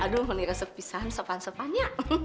aduh meniris pisahan sepan sepanya